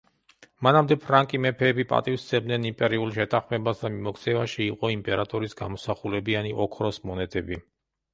მანამდე ფრანკი მეფეები პატივს სცემდნენ იმპერიულ შეთანხმებას და მიმოქცევაში იყო იმპერატორის გამოსახულებიანი ოქროს მონეტები.